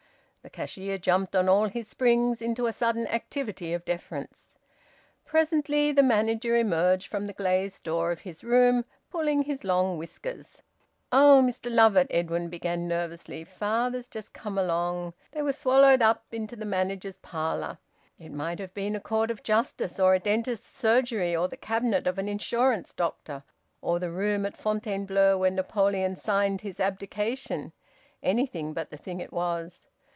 The cashier jumped on all his springs into a sudden activity of deference. Presently the manager emerged from the glazed door of his room, pulling his long whiskers. "Oh, Mr Lovatt," Edwin began nervously. "Father's just come along " They were swallowed up into the manager's parlour. It might have been a court of justice, or a dentist's surgery, or the cabinet of an insurance doctor, or the room at Fontainebleau where Napoleon signed his abdication anything but the thing it was.